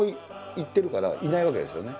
行ってるからいないわけですよね